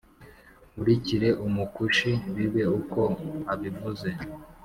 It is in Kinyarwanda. nkurikire Umukushi bibe uko abivuze